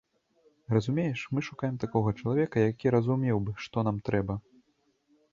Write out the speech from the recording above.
Разумееш, мы шукаем такога чалавека, які зразумеў бы, што нам трэба.